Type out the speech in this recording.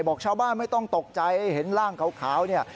บอกชาวบ้านไม่ต้องตกใจเห็นร่างขาวเนี่ย